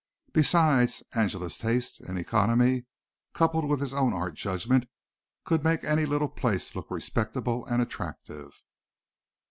Besides Angela's taste and economy, coupled with his own art judgment, could make any little place look respectable and attractive.